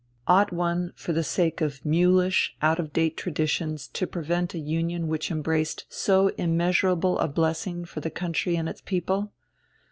Ought one for the sake of mulish, out of date traditions to prevent a union which embraced so immeasurable a blessing for the country and its people?